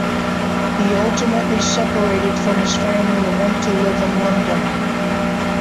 He ultimately separated from his family and went to live in London.